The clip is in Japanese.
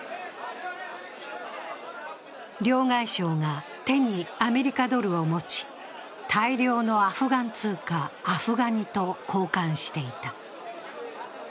両替商が手にアメリカドルを持ち大量のアフガン通貨、アフガニと交換していた。